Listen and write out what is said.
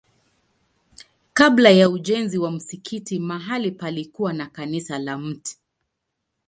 Kabla ya ujenzi wa msikiti mahali palikuwa na kanisa la Mt.